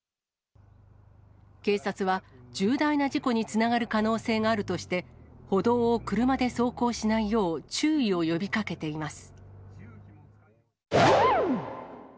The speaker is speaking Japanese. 警察は、重大な事故につながる可能性があるとして、歩道を車で走行しないよう注意を呼びかけています。